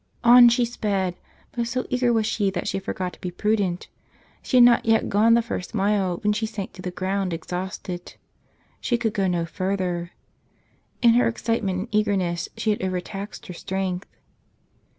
On she sped; but so eager was she that she forgot to be prudent: she had not yet gone the first mile when she sank to the ground exhausted. She could go no further. In her excite¬ ment and eagerness she had overtaxed her strength.